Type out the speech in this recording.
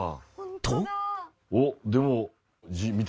とおっでも。